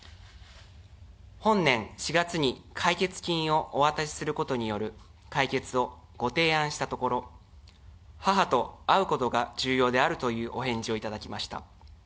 本年４月に解決金をお渡しすることによる解決をご提案したところ、母と会うことが重要であるというお返事を頂きました。